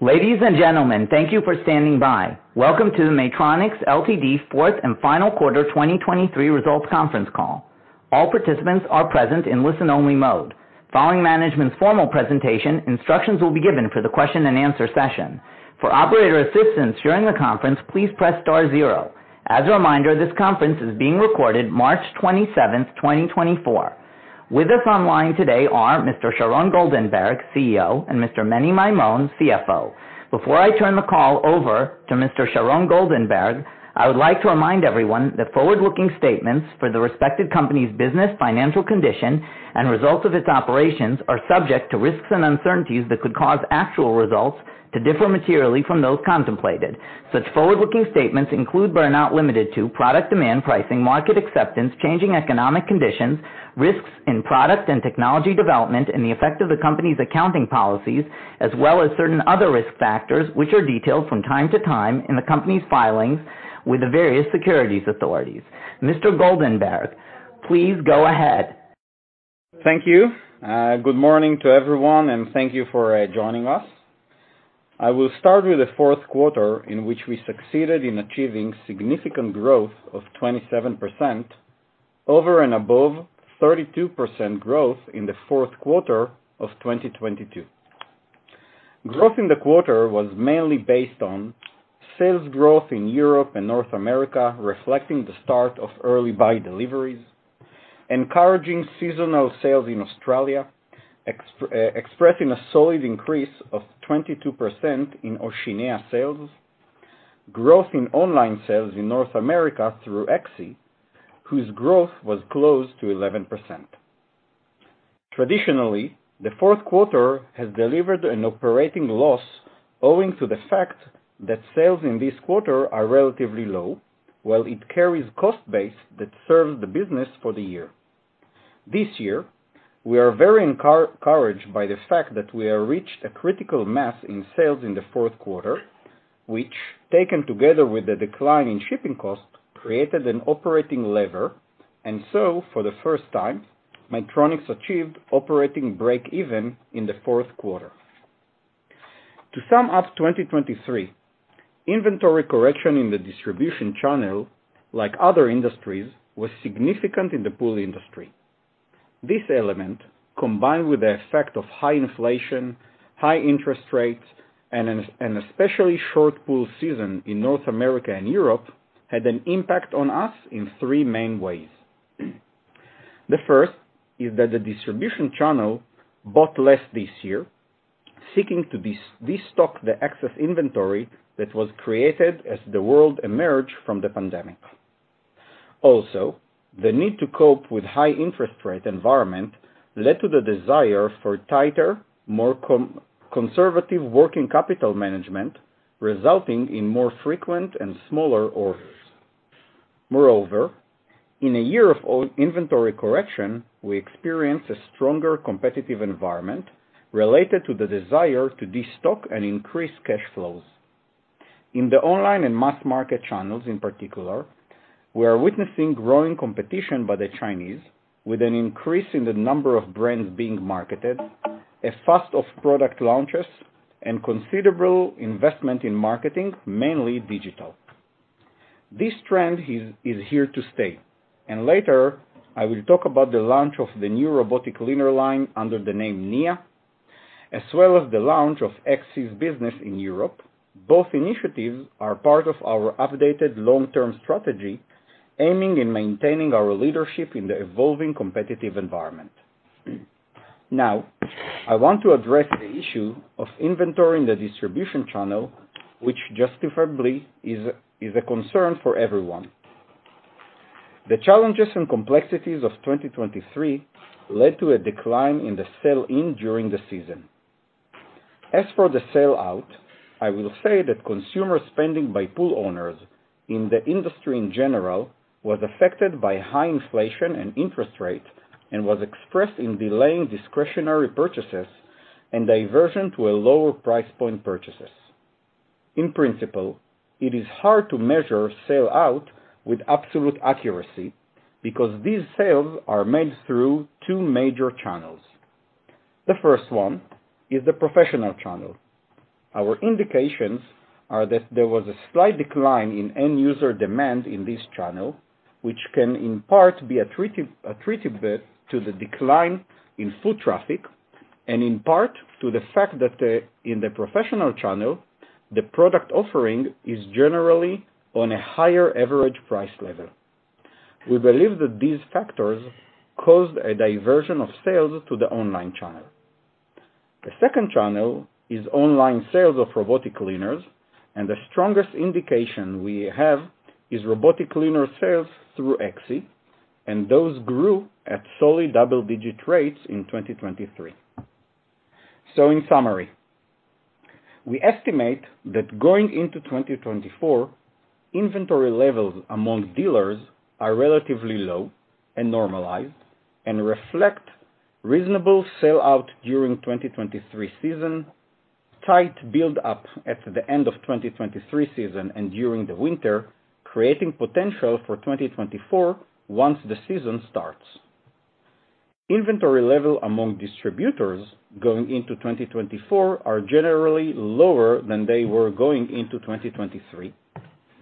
Ladies and gentlemen, thank you for standing by. Welcome to the Maytronics Ltd Fourth and Final Quarter 2023 Results Conference Call. All participants are present in listen-only mode. Following management's formal presentation, instructions will be given for the question-and-answer session. For operator assistance during the conference, please press star zero. As a reminder, this conference is being recorded March 27, 2024. With us online today are Mr. Sharon Goldenberg, CEO, and Mr. Menahem Maymon, CFO. Before I turn the call over to Mr. Sharon Goldenberg, I would like to remind everyone that forward-looking statements for the respective company's business, financial condition, and results of its operations are subject to risks and uncertainties that could cause actual results to differ materially from those contemplated. Such forward-looking statements include, but are not limited to, product demand pricing, market acceptance, changing economic conditions, risks in product and technology development, and the effect of the company's accounting policies, as well as certain other risk factors which are detailed from time to time in the company's filings with the various securities authorities. Mr. Goldenberg, please go ahead. Thank you. Good morning to everyone, and thank you for joining us. I will start with the fourth quarter in which we succeeded in achieving significant growth of 27% over and above 32% growth in the fourth quarter of 2022. Growth in the quarter was mainly based on sales growth in Europe and North America, reflecting the start of early buy deliveries, encouraging seasonal sales in Australia, expressing a solid increase of 22% in Oceania sales, growth in online sales in North America through ECCXI, whose growth was close to 11%. Traditionally, the fourth quarter has delivered an operating loss owing to the fact that sales in this quarter are relatively low, while it carries cost base that serves the business for the year. This year, we are very encouraged by the fact that we have reached a critical mass in sales in the fourth quarter, which, taken together with the decline in shipping costs, created an operating lever, and so, for the first time, Maytronics achieved operating break-even in the fourth quarter. To sum up 2023, inventory correction in the distribution channel, like other industries, was significant in the pool industry. This element, combined with the effect of high inflation, high interest rates, and especially short pool season in North America and Europe, had an impact on us in three main ways. The first is that the distribution channel bought less this year, seeking to destock the excess inventory that was created as the world emerged from the pandemic. Also, the need to cope with high interest rate environments led to the desire for tighter, more conservative working capital management, resulting in more frequent and smaller orders. Moreover, in a year of inventory correction, we experience a stronger competitive environment related to the desire to destock and increase cash flows. In the online and mass market channels in particular, we are witnessing growing competition by the Chinese, with an increase in the number of brands being marketed, a fast-paced product launches, and considerable investment in marketing, mainly digital. This trend is here to stay, and later I will talk about the launch of the new robotic cleaner line under the name Niya, as well as the launch of ECCXI's business in Europe. Both initiatives are part of our updated long-term strategy aiming at maintaining our leadership in the evolving competitive environment. Now, I want to address the issue of inventory in the distribution channel, which justifiably is a concern for everyone. The challenges and complexities of 2023 led to a decline in the sell-in during the season. As for the sell-out, I will say that consumer spending by pool owners in the industry in general was affected by high inflation and interest rates and was expressed in delaying discretionary purchases and diversion to a lower price point purchases. In principle, it is hard to measure sell-out with absolute accuracy because these sales are made through two major channels. The first one is the professional channel. Our indications are that there was a slight decline in end-user demand in this channel, which can in part be attributable to the decline in foot traffic and in part to the fact that in the professional channel, the product offering is generally on a higher average price level. We believe that these factors caused a diversion of sales to the online channel. The second channel is online sales of robotic cleaners, and the strongest indication we have is robotic cleaner sales through ECCXI, and those grew at solid double-digit rates in 2023. In summary, we estimate that going into 2024, inventory levels among dealers are relatively low and normalized and reflect reasonable sell-out during the 2023 season, tight build-up at the end of the 2023 season, and during the winter, creating potential for 2024 once the season starts. Inventory level among distributors going into 2024 are generally lower than they were going into 2023,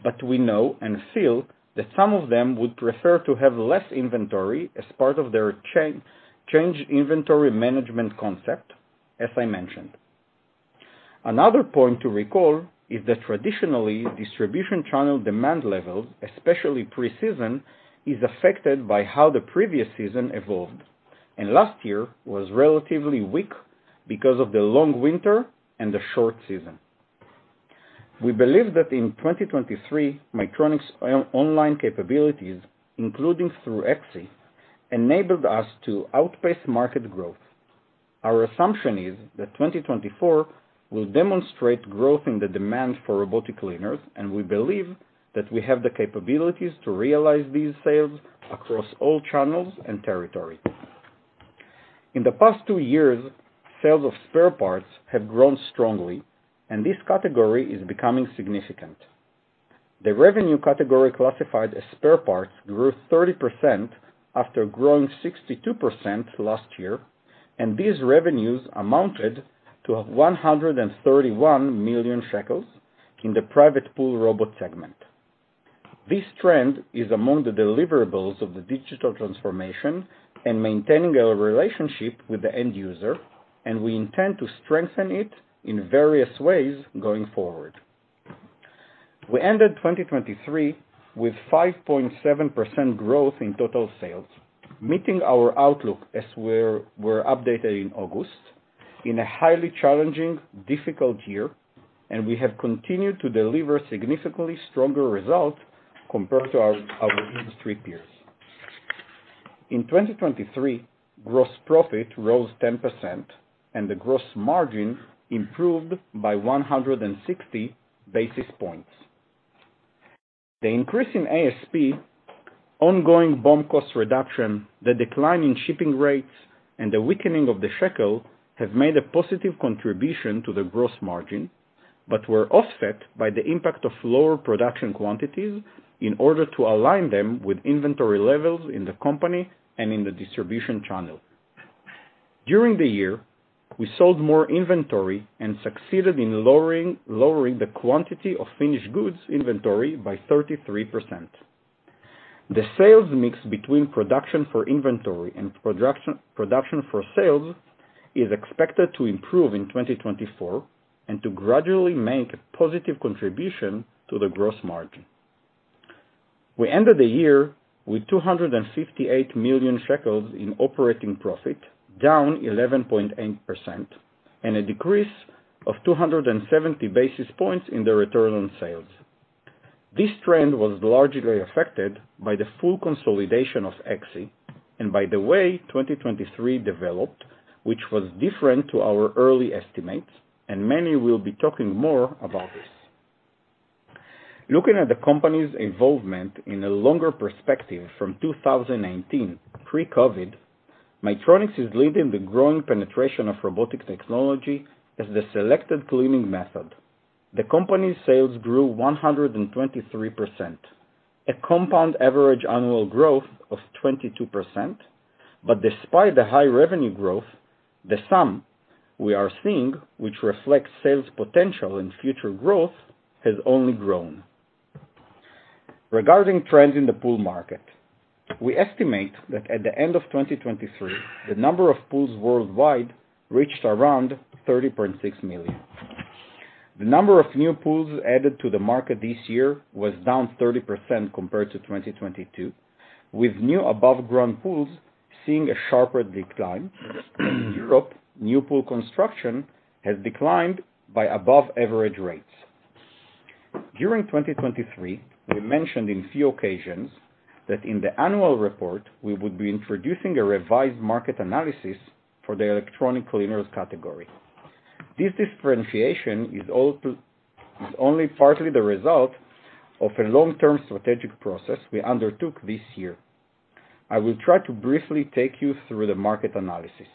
but we know and feel that some of them would prefer to have less inventory as part of their changed inventory management concept, as I mentioned. Another point to recall is that traditionally, distribution channel demand levels, especially pre-season, are affected by how the previous season evolved, and last year was relatively weak because of the long winter and the short season. We believe that in 2023, Maytronics' online capabilities, including through Backyard, enabled us to outpace market growth. Our assumption is that 2024 will demonstrate growth in the demand for robotic cleaners, and we believe that we have the capabilities to realize these sales across all channels and territories. In the past two years, sales of spare parts have grown strongly, and this category is becoming significant. The revenue category classified as spare parts grew 30% after growing 62% last year, and these revenues amounted to 131 million shekels in the private pool robot segment. This trend is among the deliverables of the digital transformation and maintaining a relationship with the end user, and we intend to strengthen it in various ways going forward. We ended 2023 with 5.7% growth in total sales, meeting our outlook as we were updated in August, in a highly challenging, difficult year, and we have continued to deliver significantly stronger results compared to our industry peers. In 2023, gross profit rose 10%, and the gross margin improved by 160 basis points. The increase in ASP, ongoing BOM cost reduction, the decline in shipping rates, and the weakening of the shekel have made a positive contribution to the gross margin but were offset by the impact of lower production quantities in order to align them with inventory levels in the company and in the distribution channel. During the year, we sold more inventory and succeeded in lowering the quantity of finished goods inventory by 33%. The sales mix between production for inventory and production for sales is expected to improve in 2024 and to gradually make a positive contribution to the gross margin. We ended the year with 258 million shekels in operating profit, down 11.8%, and a decrease of 270 basis points in the return on sales. This trend was largely affected by the full consolidation of ECCXI and by the way 2023 developed, which was different to our early estimates, and many will be talking more about this. Looking at the company's involvement in a longer perspective from 2019, pre-COVID, Maytronics is leading the growing penetration of robotic technology as the selected cleaning method. The company's sales grew 123%, a compound average annual growth of 22%, but despite the high revenue growth, the SAM we are seeing, which reflects sales potential and future growth, has only grown. Regarding trends in the pool market, we estimate that at the end of 2023, the number of pools worldwide reached around 30.6 million. The number of new pools added to the market this year was down 30% compared to 2022, with new above-ground pools seeing a sharper decline, and in Europe, new pool construction has declined by above-average rates. During 2023, we mentioned in few occasions that in the annual report, we would be introducing a revised market analysis for the electronic cleaners category. This differentiation is only partly the result of a long-term strategic process we undertook this year. I will try to briefly take you through the market analysis.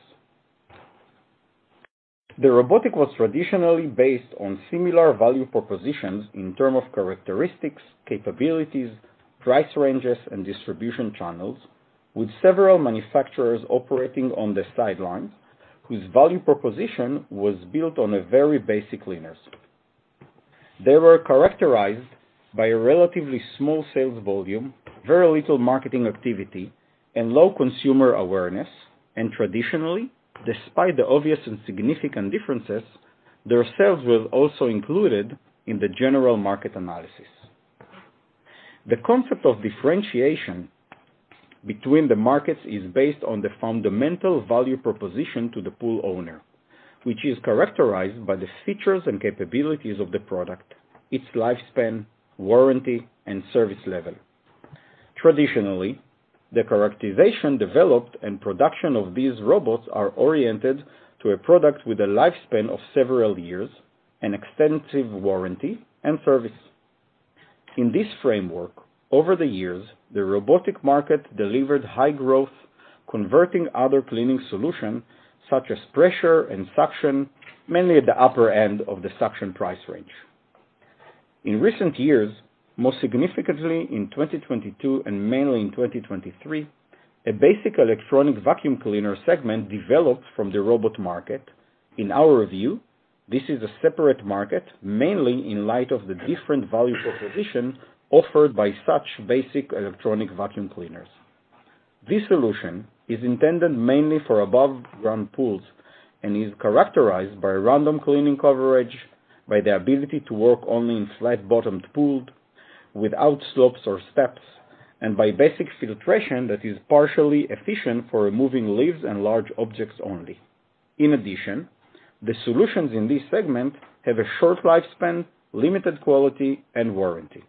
The robotic was traditionally based on similar value propositions in terms of characteristics, capabilities, price ranges, and distribution channels, with several manufacturers operating on the sidelines whose value proposition was built on very basic cleaners. They were characterized by a relatively small sales volume, very little marketing activity, and low consumer awareness, and traditionally, despite the obvious and significant differences, their sales were also included in the general market analysis. The concept of differentiation between the markets is based on the fundamental value proposition to the pool owner, which is characterized by the features and capabilities of the product, its lifespan, warranty, and service level. Traditionally, the characterization developed and production of these robots are oriented to a product with a lifespan of several years, an extensive warranty, and service. In this framework, over the years, the robotic market delivered high growth, converting other cleaning solutions such as pressure and suction, mainly at the upper end of the suction price range. In recent years, most significantly in 2022 and mainly in 2023, a basic electronic vacuum cleaner segment developed from the robot market. In our view, this is a separate market, mainly in light of the different value proposition offered by such basic electronic vacuum cleaners. This solution is intended mainly for above-ground pools and is characterized by random cleaning coverage, by the ability to work only in flat-bottomed pools without slopes or steps, and by basic filtration that is partially efficient for removing leaves and large objects only. In addition, the solutions in this segment have a short lifespan, limited quality, and warranty.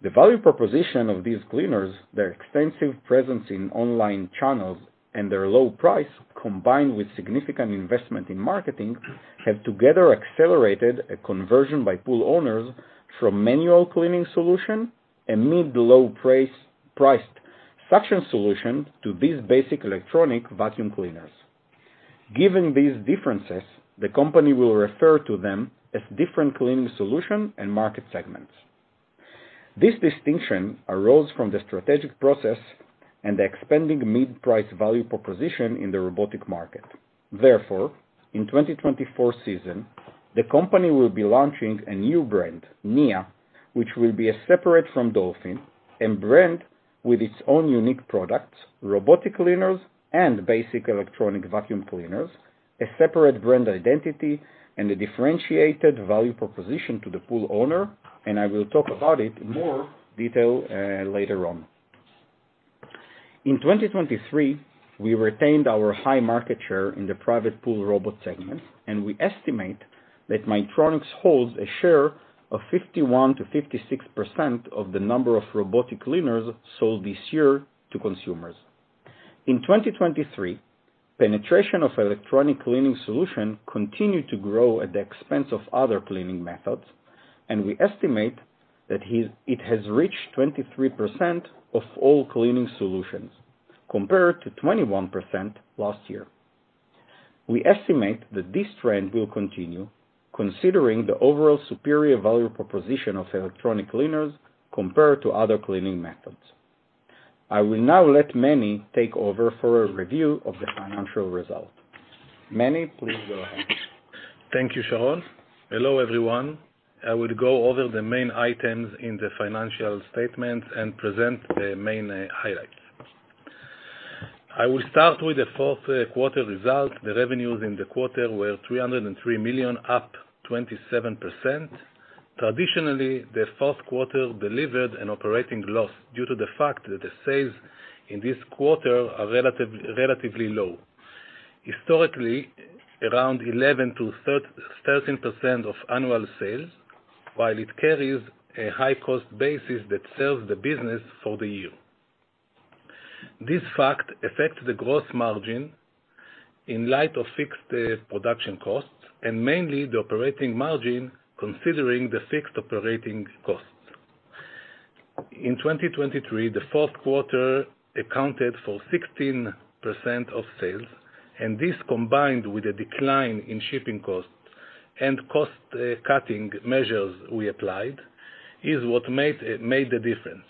The value proposition of these cleaners, their extensive presence in online channels, and their low price, combined with significant investment in marketing, have together accelerated a conversion by pool owners from manual cleaning solution, a mid-low-priced suction solution, to these basic electronic vacuum cleaners. Given these differences, the company will refer to them as different cleaning solutions and market segments. This distinction arose from the strategic process and the expanding mid-price value proposition in the robotic market. Therefore, in the 2024 season, the company will be launching a new brand, Niya, which will be separate from Dolphin and branded with its own unique products, robotic cleaners, and basic electronic vacuum cleaners, a separate brand identity, and a differentiated value proposition to the pool owner, and I will talk about it in more detail later on. In 2023, we retained our high market share in the private pool robot segment, and we estimate that Maytronics holds a share of 51%-56% of the number of robotic cleaners sold this year to consumers. In 2023, penetration of electronic cleaning solutions continued to grow at the expense of other cleaning methods, and we estimate that it has reached 23% of all cleaning solutions compared to 21% last year. We estimate that this trend will continue considering the overall superior value proposition of electronic cleaners compared to other cleaning methods. I will now let Meni take over for a review of the financial results. Meni, please go ahead. Thank you, Sharon. Hello, everyone. I will go over the main items in the financial statements and present the main highlights. I will start with the fourth quarter result. The revenues in the quarter were 303 million, up 27%. Traditionally, the fourth quarter delivered an operating loss due to the fact that the sales in this quarter are relatively low. Historically, around 11%-13% of annual sales, while it carries a high-cost basis that serves the business for the year. This fact affects the gross margin in light of fixed production costs and mainly the operating margin considering the fixed operating costs. In 2023, the fourth quarter accounted for 16% of sales, and this combined with a decline in shipping costs and cost-cutting measures we applied is what made the difference.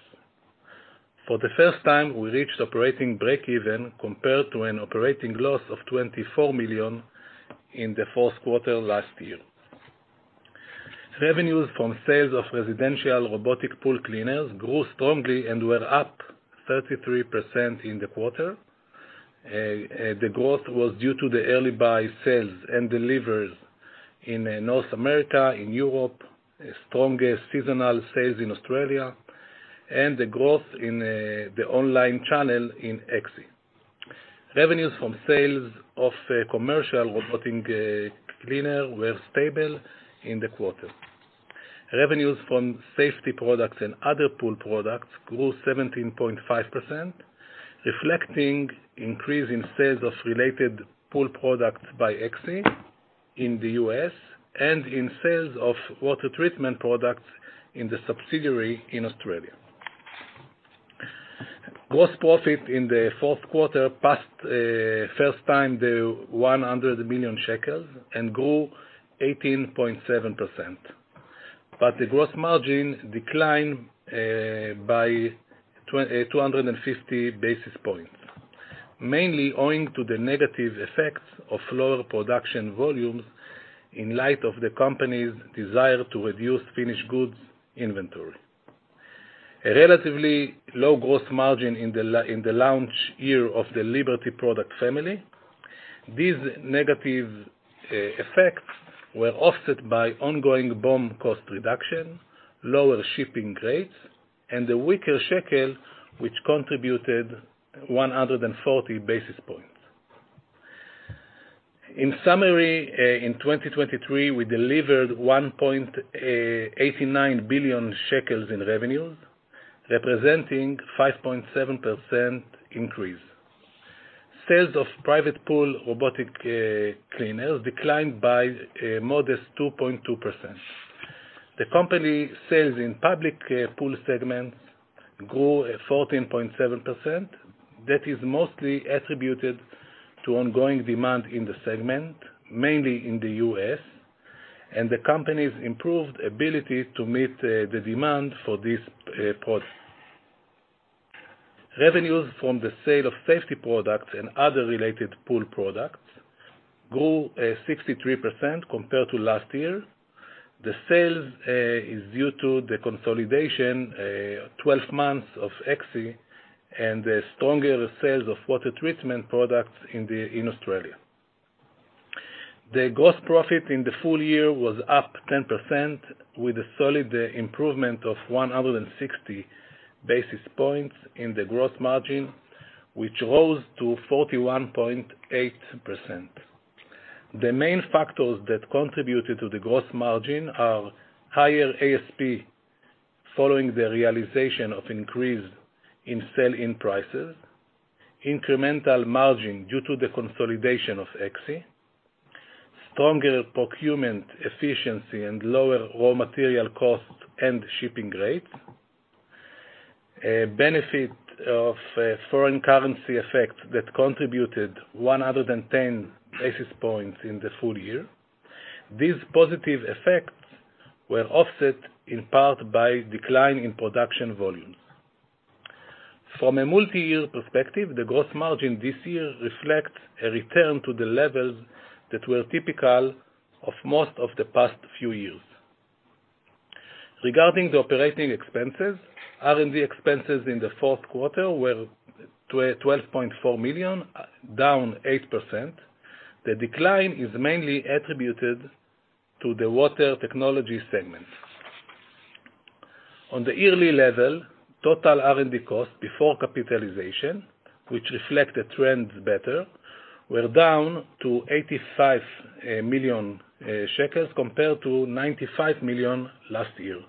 For the first time, we reached operating break-even compared to an operating loss of 24 million in the fourth quarter last year. Revenues from sales of residential robotic pool cleaners grew strongly and were up 33% in the quarter. The growth was due to the early-buy sales and deliveries in North America, in Europe, strongest seasonal sales in Australia, and the growth in the online channel in ECCXI. Revenues from sales of commercial robotic cleaners were stable in the quarter. Revenues from safety products and other pool products grew 17.5%, reflecting an increase in sales of related pool products by ECCXI in the US and in sales of water treatment products in the subsidiary in Australia. Gross profit in the fourth quarter passed the first time the 100 million shekels and grew 18.7%, but the gross margin declined by 250 basis points, mainly owing to the negative effects of lower production volumes in light of the company's desire to reduce finished goods inventory. A relatively low gross margin in the launch year of the Liberty product family. These negative effects were offset by ongoing BOM cost reduction, lower shipping rates, and the weaker shekel, which contributed 140 basis points. In summary, in 2023, we delivered 1.89 billion shekels in revenues, representing a 5.7% increase. Sales of private pool robotic cleaners declined by modest 2.2%. The company's sales in public pool segments grew 14.7%. That is mostly attributed to ongoing demand in the segment, mainly in the US, and the company's improved ability to meet the demand for these products. Revenues from the sale of safety products and other related pool products grew 63% compared to last year. The sales are due to the consolidation, 12 months of ECCXI, and stronger sales of water treatment products in Australia. The gross profit in the full year was up 10%, with a solid improvement of 160 basis points in the gross margin, which rose to 41.8%. The main factors that contributed to the gross margin are higher ASP following the realization of an increase in sell-in prices, incremental margin due to the consolidation of ECCXI, stronger procurement efficiency, and lower raw material costs and shipping rates, a benefit of foreign currency effects that contributed 110 basis points in the full year. These positive effects were offset in part by a decline in production volumes. From a multi-year perspective, the gross margin this year reflects a return to the levels that were typical of most of the past few years. Regarding the operating expenses, R&D expenses in the fourth quarter were 12.4 million, down 8%. The decline is mainly attributed to the water technology segment. On the yearly level, total R&D costs before capitalization, which reflect the trends better, were down to 85 million shekels compared to 95 million last year,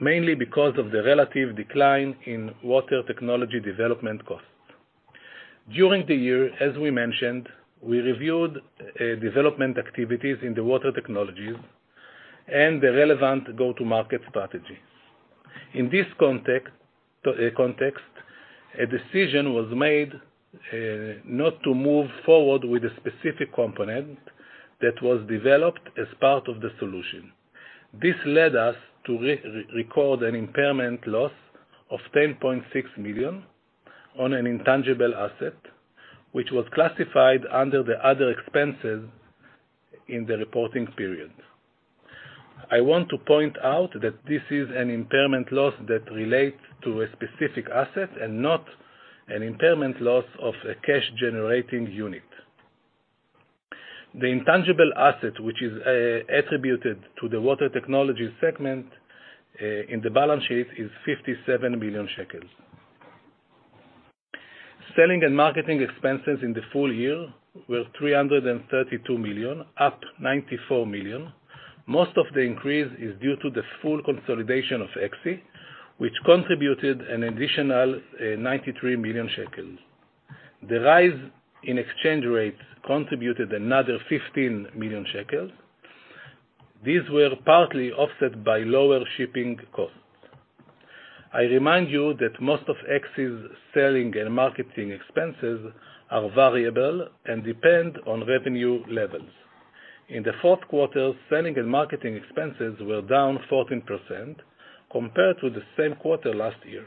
mainly because of the relative decline in water technology development costs. During the year, as we mentioned, we reviewed development activities in the water technologies and the relevant go-to-market strategy. In this context, a decision was made not to move forward with a specific component that was developed as part of the solution. This led us to record an impairment loss of 10.6 million on an intangible asset, which was classified under the other expenses in the reporting period. I want to point out that this is an impairment loss that relates to a specific asset and not an impairment loss of a cash-generating unit. The intangible asset, which is attributed to the water technology segment in the balance sheet, is 57 million shekels. Selling and marketing expenses in the full year were 332 million, up 94 million. Most of the increase is due to the full consolidation of ECCXI, which contributed an additional 93 million shekels. The rise in exchange rates contributed another 15 million shekels. These were partly offset by lower shipping costs. I remind you that most of ECCXI's selling and marketing expenses are variable and depend on revenue levels. In the fourth quarter, selling and marketing expenses were down 14% compared to the same quarter last year,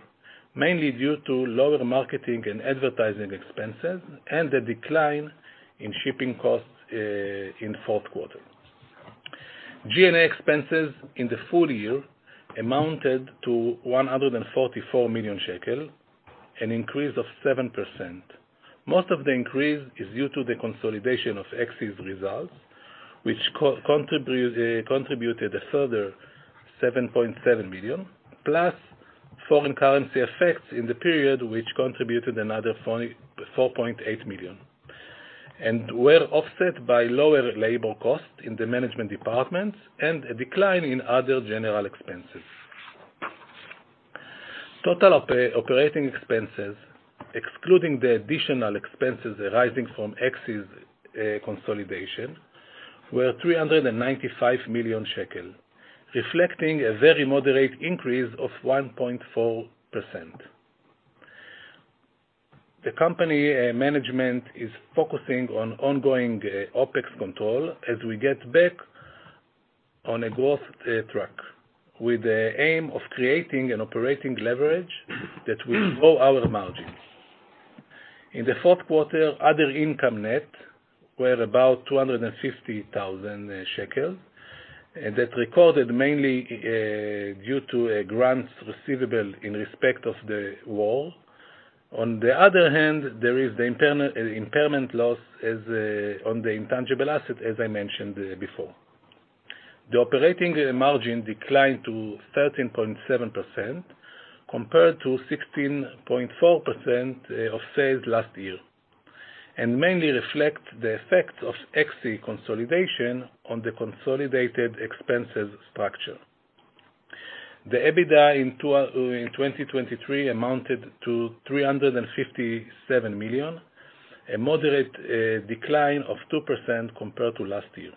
mainly due to lower marketing and advertising expenses and the decline in shipping costs in the fourth quarter. G&A expenses in the full year amounted to 144 million shekel, an increase of 7%. Most of the increase is due to the consolidation of ECCXI's results, which contributed a further 7.7 million, plus foreign currency effects in the period, which contributed another 4.8 million, and were offset by lower labor costs in the management departments and a decline in other general expenses. Total operating expenses, excluding the additional expenses arising from ECCXI's consolidation, were 395 million shekel, reflecting a very moderate increase of 1.4%. The company management is focusing on ongoing OPEX control as we get back on a growth track with the aim of creating an operating leverage that will grow our margin. In the fourth quarter, other income net were about 250,000 shekels that recorded mainly due to grants receivable in respect of the war. On the other hand, there is the impairment loss on the intangible asset, as I mentioned before. The operating margin declined to 13.7% compared to 16.4% of sales last year and mainly reflects the effects of ECCXI consolidation on the consolidated expenses structure. The EBITDA in 2023 amounted to 357 million, a moderate decline of 2% compared to last year.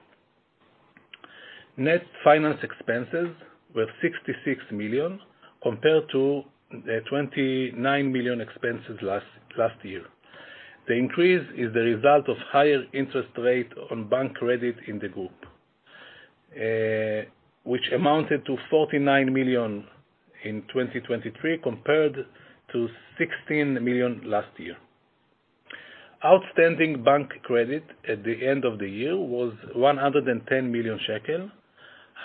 Net finance expenses were 66 million compared to 29 million expenses last year. The increase is the result of higher interest rates on bank credit in the group, which amounted to 49 million in 2023 compared to 16 million last year. Outstanding bank credit at the end of the year was 110 million shekel,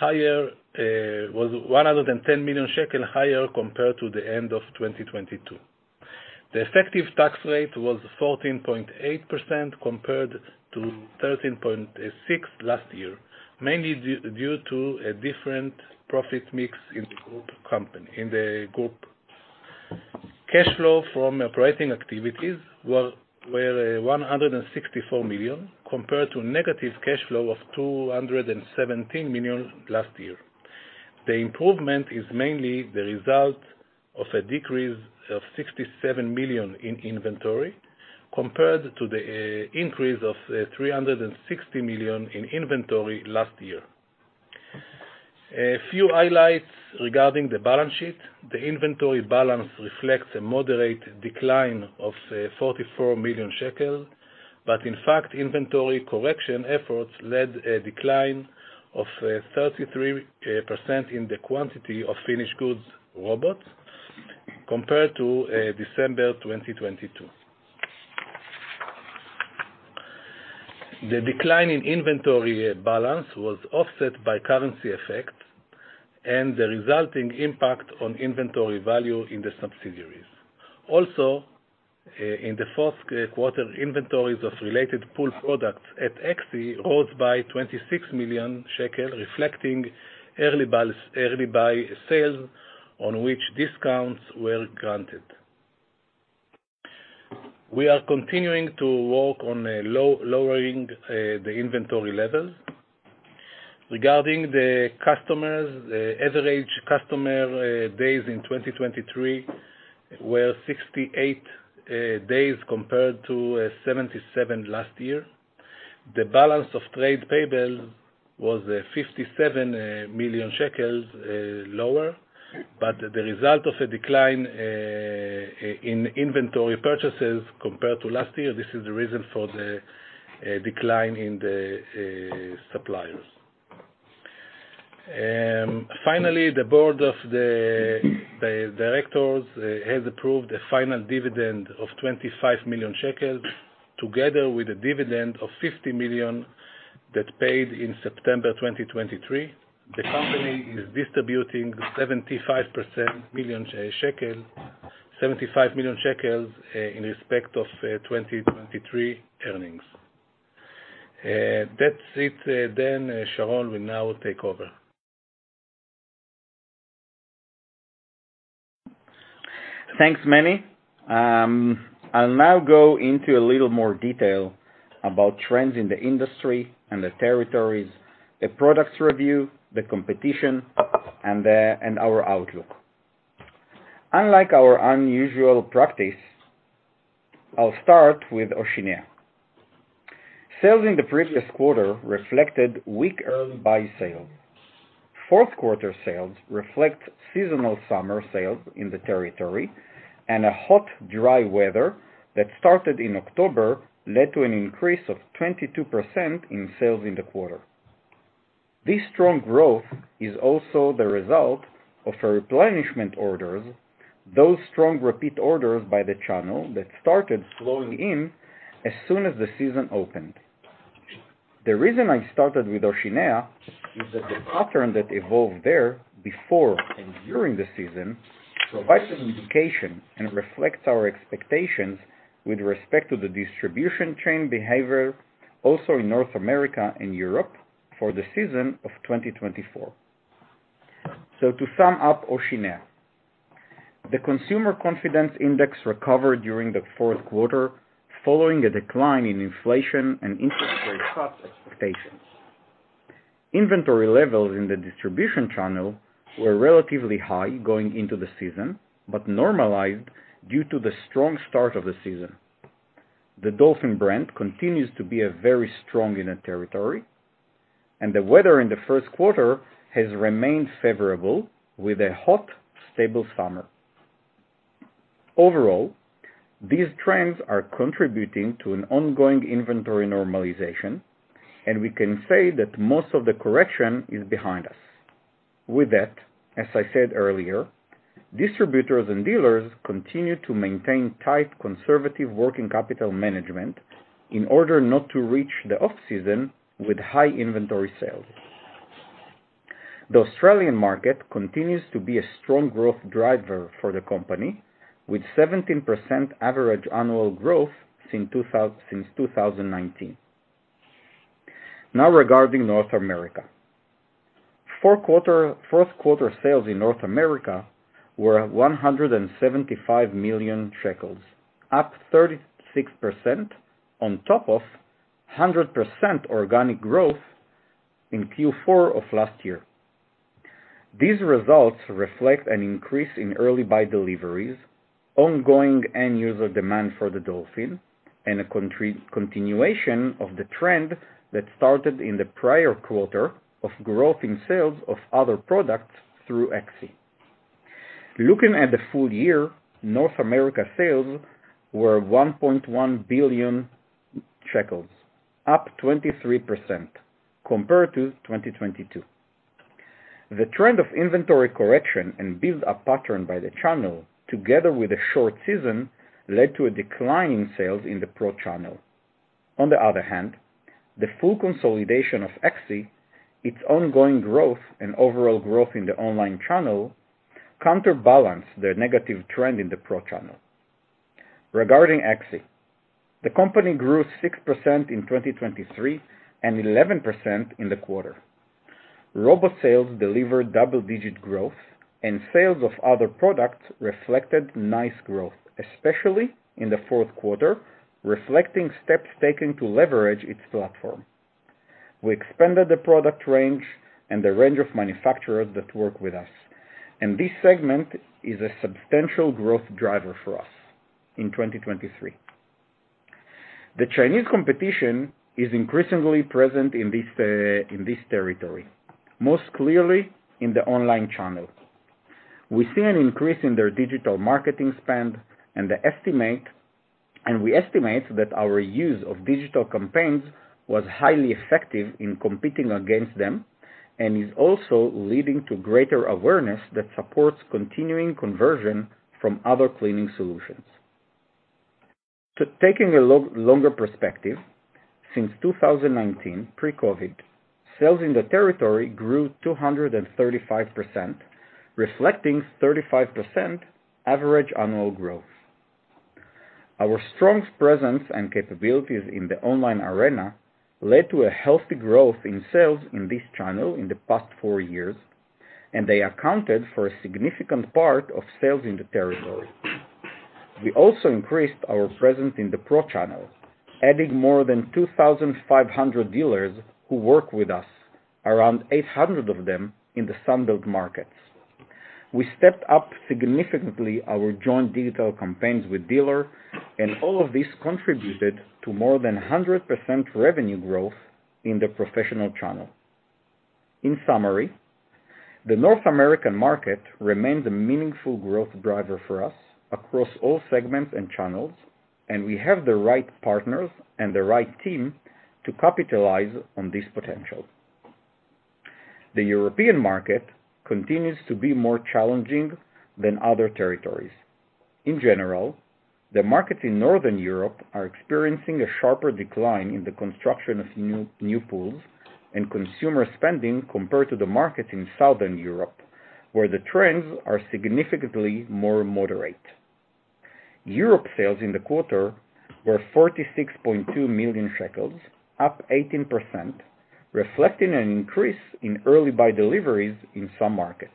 which was 110 million shekel higher compared to the end of 2022. The effective tax rate was 14.8% compared to 13.6% last year, mainly due to a different profit mix in the group company. In the group, cash flow from operating activities were 164 million compared to negative cash flow of 217 million last year. The improvement is mainly the result of a decrease of 67 million in inventory compared to the increase of 360 million in inventory last year. A few highlights regarding the balance sheet. The inventory balance reflects a moderate decline of 44 million shekels, but in fact, inventory correction efforts led to a decline of 33% in the quantity of finished goods robots compared to December 2022. The decline in inventory balance was offset by currency effects and the resulting impact on inventory value in the subsidiaries. Also, in the fourth quarter, inventories of related pool products at ECCXI rose by 26 million shekel, reflecting early buy sales on which discounts were granted. We are continuing to work on lowering the inventory levels. Regarding the customers, the average customer days in 2023 were 68 days compared to 77 last year. The balance of trade payables was 57 million shekels lower, but the result of a decline in inventory purchases compared to last year, this is the reason for the decline in the suppliers. Finally, the board of the directors has approved a final dividend of 25 million shekels together with a dividend of 50 million that was paid in September 2023. The company is distributing 75 million shekels in respect of 2023 earnings. That's it then. Sharon, we now take over. Thanks, Meni. I'll now go into a little more detail about trends in the industry and the territories, the products review, the competition, and our outlook. Unlike our unusual practice, I'll start with Oceania. Sales in the previous quarter reflected weak early buy sales. Fourth quarter sales reflect seasonal summer sales in the territory, and a hot, dry weather that started in October led to an increase of 22% in sales in the quarter. This strong growth is also the result of replenishment orders, those strong repeat orders by the channel that started flowing in as soon as the season opened. The reason I started with Oceania is that the pattern that evolved there before and during the season provides an indication and reflects our expectations with respect to the distribution chain behavior, also in North America and Europe, for the season of 2024. So to sum up Oceania: the consumer confidence index recovered during the fourth quarter following a decline in inflation and interest rate cuts expectations. Inventory levels in the distribution channel were relatively high going into the season but normalized due to the strong start of the season. The Dolphin brand continues to be very strong in the territory, and the weather in the first quarter has remained favorable with a hot, stable summer. Overall, these trends are contributing to an ongoing inventory normalization, and we can say that most of the correction is behind us. With that, as I said earlier, distributors and dealers continue to maintain tight conservative working capital management in order not to reach the off-season with high inventory sales. The Australian market continues to be a strong growth driver for the company, with 17% average annual growth since 2019. Now regarding North America: fourth quarter sales in North America were 175 million shekels, up 36% on top of 100% organic growth in Q4 of last year. These results reflect an increase in early buy deliveries, ongoing end-user demand for the Dolphin, and a continuation of the trend that started in the prior quarter of growth in sales of other products through ECCXI. Looking at the full year, North America sales were 1.1 billion shekels, up 23% compared to 2022. The trend of inventory correction and build-up pattern by the channel, together with a short season, led to a decline in sales in the Pro Channel. On the other hand, the full consolidation of ECCXI, its ongoing growth and overall growth in the online channel, counterbalanced the negative trend in the Pro Channel. Regarding ECCXI: the company grew 6% in 2023 and 11% in the quarter. Robot sales delivered double-digit growth, and sales of other products reflected nice growth, especially in the fourth quarter, reflecting steps taken to leverage its platform. We expanded the product range and the range of manufacturers that work with us, and this segment is a substantial growth driver for us in 2023. The Chinese competition is increasingly present in this territory, most clearly in the online channel. We see an increase in their digital marketing spend, and we estimate that our use of digital campaigns was highly effective in competing against them and is also leading to greater awareness that supports continuing conversion from other cleaning solutions. Taking a longer perspective, since 2019, pre-COVID, sales in the territory grew 235%, reflecting 35% average annual growth. Our strong presence and capabilities in the online arena led to a healthy growth in sales in this channel in the past four years, and they accounted for a significant part of sales in the territory. We also increased our presence in the pro channel, adding more than 2,500 dealers who work with us, around 800 of them in the sunbelt markets. We stepped up significantly our joint digital campaigns with Dealer, and all of this contributed to more than 100% revenue growth in the professional channel. In summary, the North American market remains a meaningful growth driver for us across all segments and channels, and we have the right partners and the right team to capitalize on this potential. The European market continues to be more challenging than other territories. In general, the markets in Northern Europe are experiencing a sharper decline in the construction of new pools and consumer spending compared to the markets in Southern Europe, where the trends are significantly more moderate. Europe sales in the quarter were 46.2 million shekels, up 18%, reflecting an increase in early buy deliveries in some markets.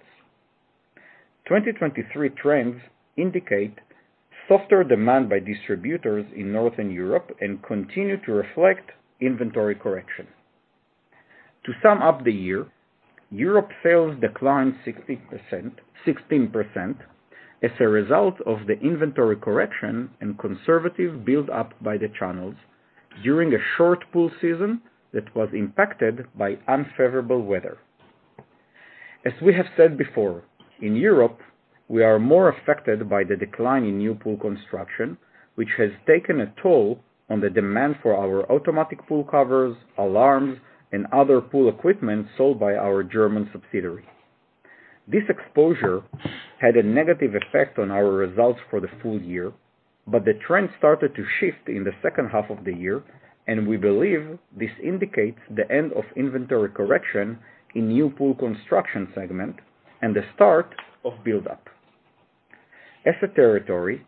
2023 trends indicate softer demand by distributors in Northern Europe and continue to reflect inventory correction. To sum up the year, Europe sales declined 16% as a result of the inventory correction and conservative build-up by the channels during a short pool season that was impacted by unfavorable weather. As we have said before, in Europe, we are more affected by the decline in new pool construction, which has taken a toll on the demand for our automatic pool covers, alarms, and other pool equipment sold by our German subsidiary. This exposure had a negative effect on our results for the full year, but the trend started to shift in the second half of the year, and we believe this indicates the end of inventory correction in new pool construction segment and the start of build-up. As a territory,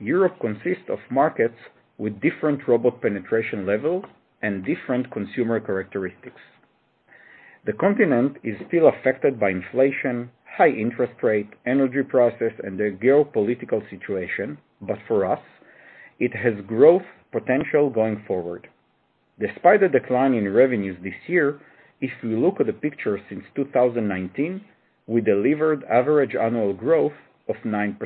Europe consists of markets with different robot penetration levels and different consumer characteristics. The continent is still affected by inflation, high interest rates, energy prices, and the geopolitical situation, but for us, it has growth potential going forward. Despite the decline in revenues this year, if we look at the picture since 2019, we delivered average annual growth of 9%.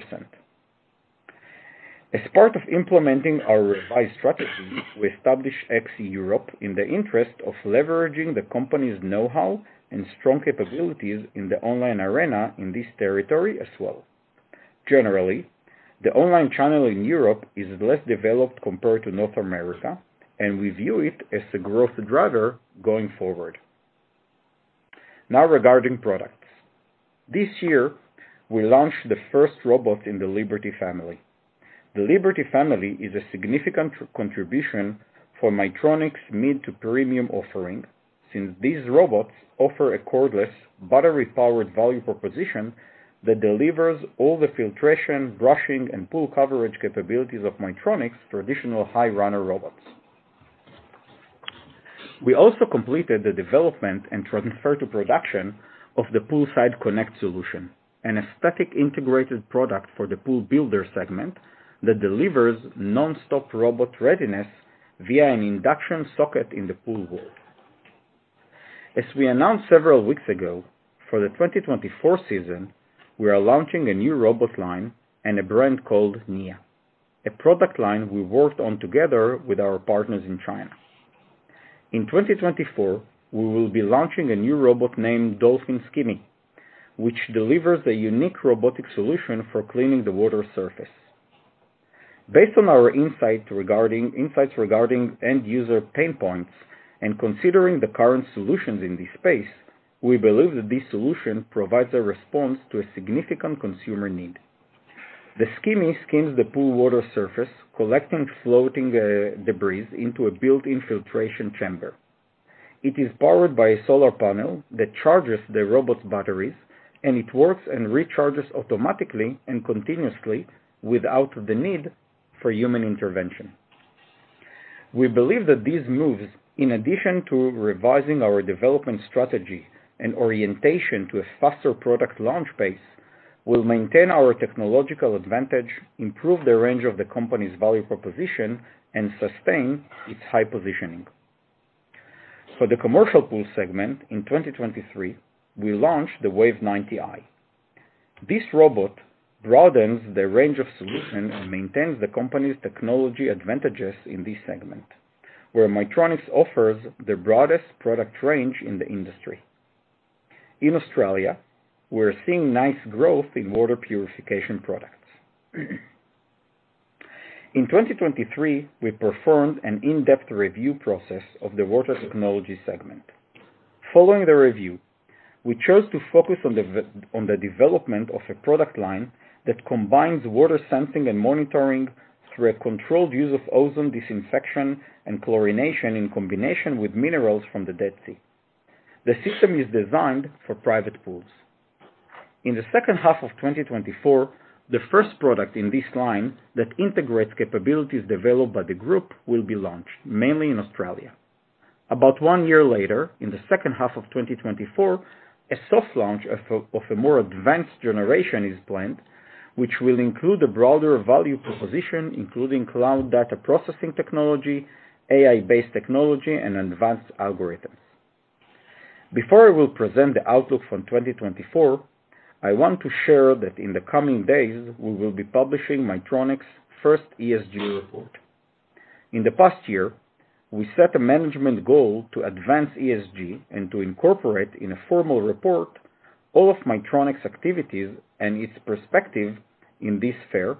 As part of implementing our revised strategy, we established ECCXI Europe in the interest of leveraging the company's know-how and strong capabilities in the online arena in this territory as well. Generally, the online channel in Europe is less developed compared to North America, and we view it as a growth driver going forward. Now regarding products: this year, we launched the first robots in the Liberty family. The Liberty family is a significant contribution for Maytronics' mid to premium offering since these robots offer a cordless, battery-powered value proposition that delivers all the filtration, brushing, and pool coverage capabilities of Maytronics' traditional high-runner robots. We also completed the development and transfer to production of the Poolside Connect solution, an aesthetic integrated product for the pool builder segment that delivers nonstop robot readiness via an induction socket in the pool wall. As we announced several weeks ago, for the 2024 season, we are launching a new robot line and a brand called Niya, a product line we worked on together with our partners in China. In 2024, we will be launching a new robot named Dolphin Skimmi, which delivers a unique robotic solution for cleaning the water surface. Based on our insights regarding end-user pain points and considering the current solutions in this space, we believe that this solution provides a response to a significant consumer need. The Skimmi skims the pool water surface, collecting floating debris into a built-in filtration chamber. It is powered by a solar panel that charges the robot's batteries, and it works and recharges automatically and continuously without the need for human intervention. We believe that these moves, in addition to revising our development strategy and orientation to a faster product launch pace, will maintain our technological advantage, improve the range of the company's value proposition, and sustain its high positioning. For the commercial pool segment, in 2023, we launched the Wave 90i. This robot broadens the range of solutions and maintains the company's technology advantages in this segment, where Maytronics offers the broadest product range in the industry. In Australia, we are seeing nice growth in water purification products. In 2023, we performed an in-depth review process of the water technology segment. Following the review, we chose to focus on the development of a product line that combines water sensing and monitoring through a controlled use of ozone disinfection and chlorination in combination with minerals from the Dead Sea. The system is designed for private pools. In the second half of 2024, the first product in this line that integrates capabilities developed by the group will be launched, mainly in Australia. About one year later, in the second half of 2024, a soft launch of a more advanced generation is planned, which will include a broader value proposition, including cloud data processing technology, AI-based technology, and advanced algorithms. Before I will present the outlook for 2024, I want to share that in the coming days, we will be publishing Maytronics' first ESG report. In the past year, we set a management goal to advance ESG and to incorporate in a formal report all of Maytronics' activities and its perspective in this field,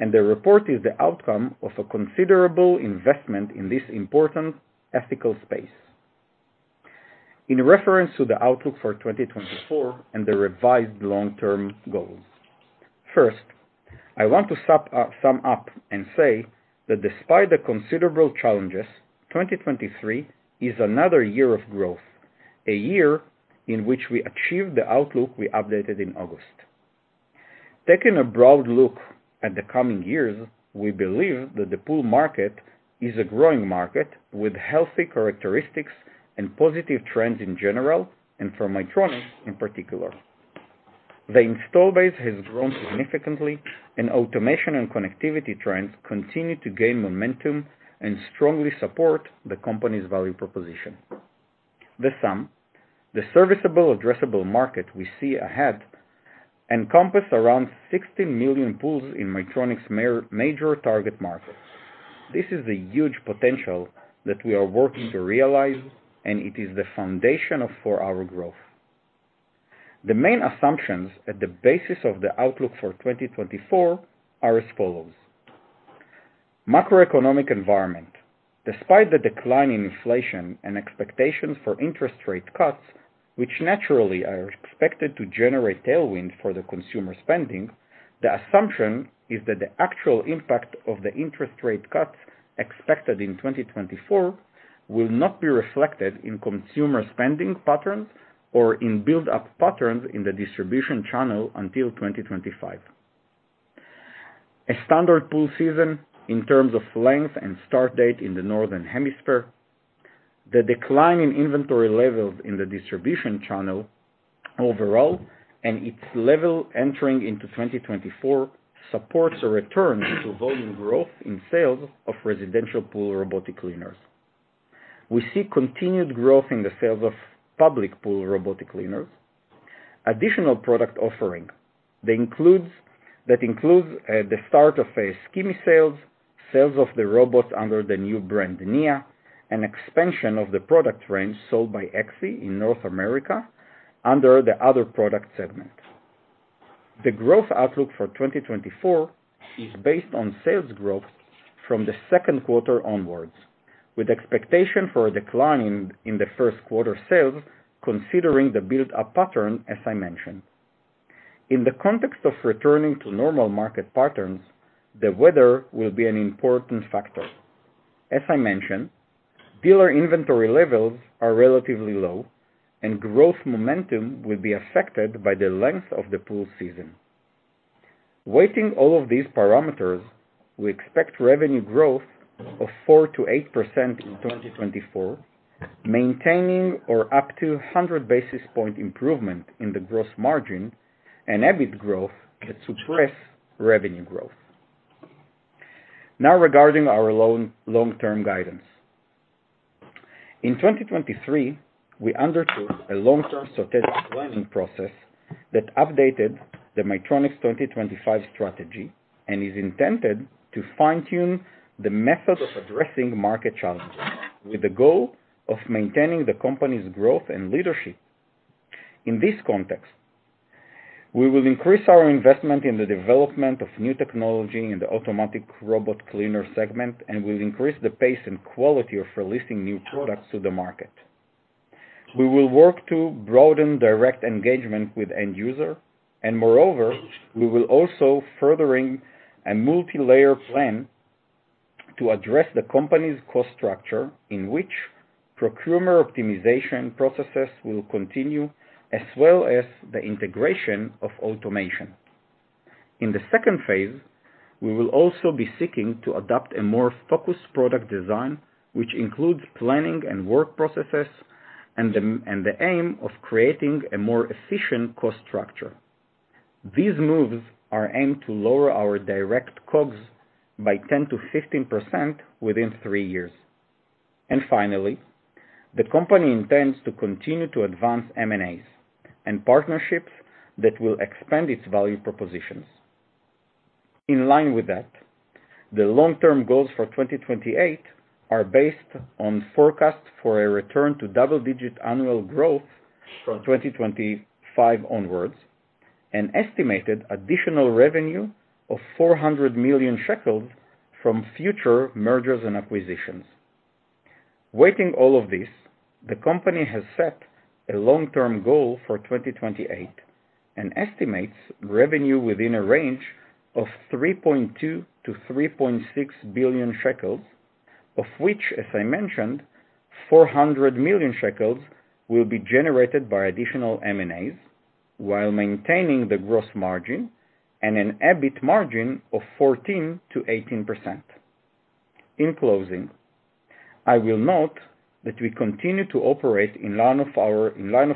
and the report is the outcome of a considerable investment in this important ethical space. In reference to the outlook for 2024 and the revised long-term goals: first, I want to sum up and say that despite the considerable challenges, 2023 is another year of growth, a year in which we achieved the outlook we updated in August. Taking a broad look at the coming years, we believe that the pool market is a growing market with healthy characteristics and positive trends in general and for Maytronics in particular. The install base has grown significantly, and automation and connectivity trends continue to gain momentum and strongly support the company's value proposition. The SAM, the serviceable addressable market we see ahead, encompasses around 16 million pools in Maytronics' major target markets. This is the huge potential that we are working to realize, and it is the foundation for our growth. The main assumptions at the basis of the outlook for 2024 are as follows: macroeconomic environment: despite the decline in inflation and expectations for interest rate cuts, which naturally are expected to generate tailwinds for the consumer spending, the assumption is that the actual impact of the interest rate cuts expected in 2024 will not be reflected in consumer spending patterns or in build-up patterns in the distribution channel until 2025. A standard pool season in terms of length and start date in the northern hemisphere. The decline in inventory levels in the distribution channel overall and its level entering into 2024 supports a return to volume growth in sales of residential pool robotic cleaners. We see continued growth in the sales of public pool robotic cleaners. Additional product offering that includes the start of Dolphin Skimmy sales, sales of the robots under the new brand Niya, and expansion of the product range sold by Backyard in North America under the other product segment. The growth outlook for 2024 is based on sales growth from the second quarter onwards, with expectation for a decline in the first quarter sales considering the build-up pattern as I mentioned. In the context of returning to normal market patterns, the weather will be an important factor. As I mentioned, dealer inventory levels are relatively low, and growth momentum will be affected by the length of the pool season. Weighing all of these parameters, we expect revenue growth of 4%-8% in 2024, maintaining or up to 100 basis point improvement in the gross margin, and EBIT growth that surpasses revenue growth. Now regarding our long-term guidance: in 2023, we undertook a long-term strategic planning process that updated the Maytronics 2025 strategy and is intended to fine-tune the method of addressing market challenges with the goal of maintaining the company's growth and leadership. In this context, we will increase our investment in the development of new technology in the automatic robot cleaner segment and will increase the pace and quality of releasing new products to the market. We will work to broaden direct engagement with end users, and moreover, we will also be furthering a multi-layer plan to address the company's cost structure in which procurement optimization processes will continue as well as the integration of automation. In the second phase, we will also be seeking to adopt a more focused product design, which includes planning and work processes and the aim of creating a more efficient cost structure. These moves are aimed to lower our direct COGS by 10%-15% within three years. Finally, the company intends to continue to advance M&As and partnerships that will expand its value propositions. In line with that, the long-term goals for 2028 are based on forecasts for a return to double-digit annual growth from 2025 onwards and estimated additional revenue of 400 million shekels from future mergers and acquisitions. Weighting all of this, the company has set a long-term goal for 2028 and estimates revenue within a range of 3.2 billion-3.6 billion shekels, of which, as I mentioned, 400 million shekels will be generated by additional M&As while maintaining the gross margin and an EBIT margin of 14%-18%. In closing, I will note that we continue to operate in line of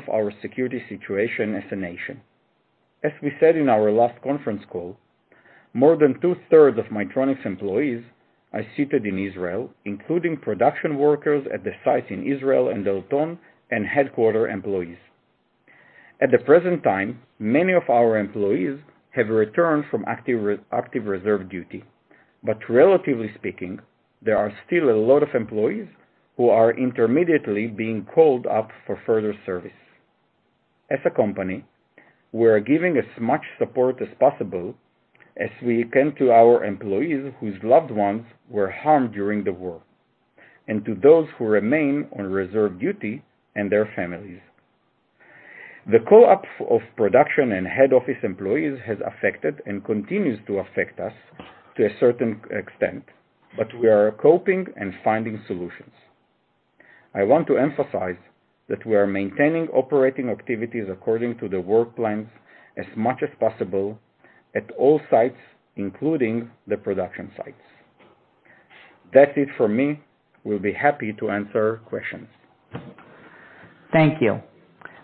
our security situation as a nation. As we said in our last conference call, more than two-thirds of Maytronics employees are seated in Israel, including production workers at the sites in Israel and Dalton and headquarter employees. At the present time, many of our employees have returned from active reserve duty, but relatively speaking, there are still a lot of employees who are intermediately being called up for further service. As a company, we are giving as much support as possible as we can to our employees whose loved ones were harmed during the war and to those who remain on reserve duty and their families. The call-up of production and head office employees has affected and continues to affect us to a certain extent, but we are coping and finding solutions. I want to emphasize that we are maintaining operating activities according to the work plans as much as possible at all sites, including the production sites. That's it for me. We'll be happy to answer questions. Thank you.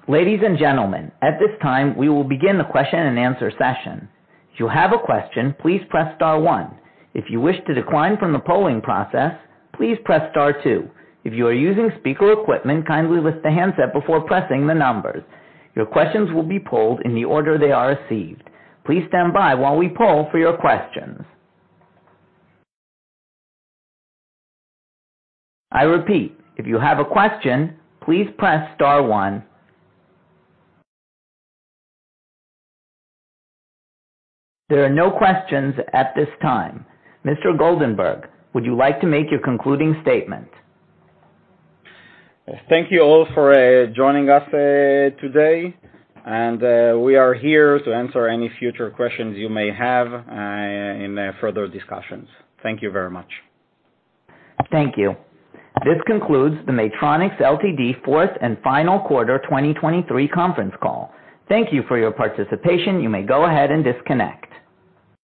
Ladies and gentlemen, at this time, we will begin the question and answer session. If you have a question, please press star one. If you wish to decline from the polling process, please press star two. If you are using speaker equipment, kindly lift the handset before pressing the numbers. Your questions will be polled in the order they are received. Please stand by while we poll for your questions. I repeat, if you have a question, please press star one. There are no questions at this time. Mr. Goldenberg, would you like to make your concluding statement? Thank you all for joining us today, and we are here to answer any future questions you may have in further discussions. Thank you very much. Thank you. This concludes the Maytronics Ltd fourth and final quarter 2023 conference call. Thank you for your participation. You may go ahead and disconnect.